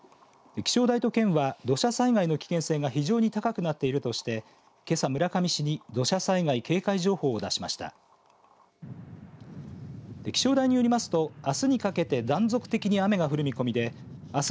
気象台と県は土砂災害の危険性が非常に高くなっているとしてけさ、村上市に土砂災害警戒情報を出しました。